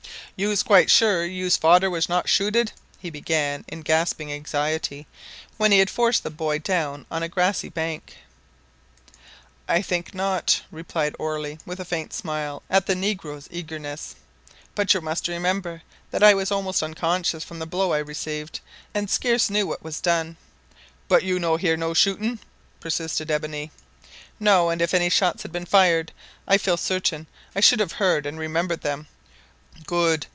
"You's quite sure yous fadder was not shooted?" he began, in gasping anxiety, when he had forced the boy down on a grassy bank. "I think not," replied Orley, with a faint smile at the negro's eagerness. "But you must remember that I was almost unconscious from the blow I received, and scarce knew what was done." "But you no hear no shootin'?" persisted Ebony. "No; and if any shots had been fired, I feel certain I should have heard and remembered them." "Good!